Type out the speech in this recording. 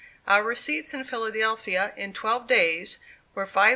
Our receipts in Philadelphia in twelve days were $5,594.